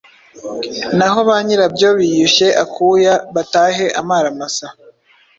naho ba nyirabyo biyushye akuya batahe amara masa!